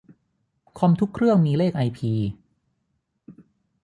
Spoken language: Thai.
คอมทุกเครื่องมีเลขไอพี